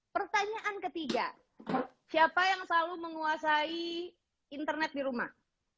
pertanyaan ketiga siapa yang selalu menguasai internet di rumah